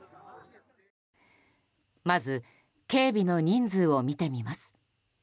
まず、警備の人数を見てみます。